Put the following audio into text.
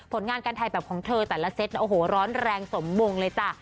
ผลงานการถ่ายแบบของเธอแต่ละเซตโอ้โหร้อนแรงสมวงเลยจ้ะ